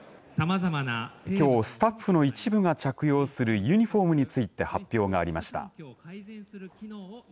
きょうスタッフの一部が着用するユニホームについて発表がありました。